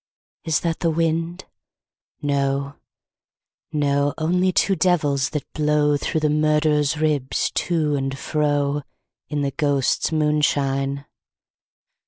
Is that the wind ? No, no ; Only two devils, that blow Through the murderer's ribs to and fro. In the ghosts' moonshine.